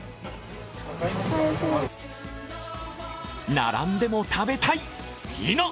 並んででも食べたい、否！